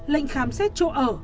lệnh khám xét chỗ ở